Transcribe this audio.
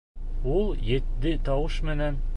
Ул етди тауыш менән: